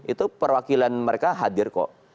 itu perwakilan mereka hadir kok